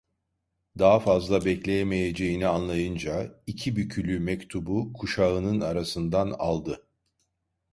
Daha fazla bekleyemeyeceğini anlayınca, iki bükülü mektubu kuşağının arasından aldı.